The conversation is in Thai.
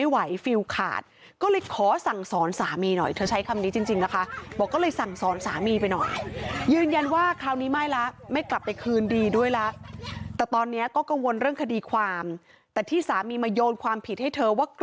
หนูกดดันมาเยอะหนูเก็บเขาทำลายความแล้วสิ่งที่เขามาแอบอ้างว่าหนูไปทำ